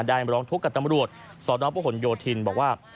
ได้นักบร้องทุกข์กับตำรวจสอนรับผู้ห่วงโยธินบอกว่า